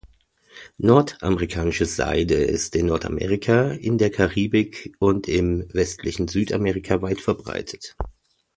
Nordamerikanische Seide ist in Nordamerika, in der Karibik und im westlichen Südamerika weitverbreitet.